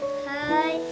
はい。